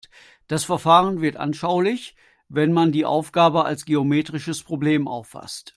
Das Verfahren wird anschaulich, wenn man die Aufgabe als geometrisches Problem auffasst.